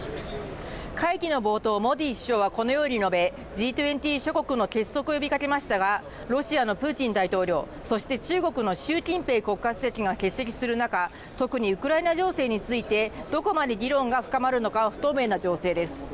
Ｇ２０諸国の結束を呼びかけましたが、ロシアのプーチン大統領、そして中国の習近平国家主席が欠席する中、特にウクライナ情勢についてどこまで議論が深まるのか不透明な情勢です。